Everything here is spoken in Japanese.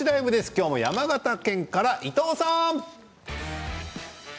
今日も山形県から伊藤さん。